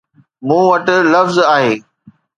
مون وٽ لفظ آهي